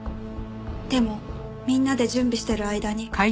でもみんなで準備してる間に。